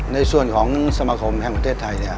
ในส่วนสมาคมแห่งประเทศไทย